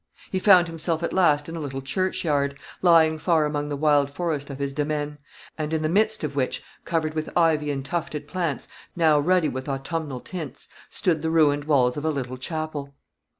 He found himself at last in a little churchyard, lying far among the wild forest of his demesne, and in the midst of which, covered with ivy and tufted plants, now ruddy with autumnal tints, stood the ruined walls of a little chapel.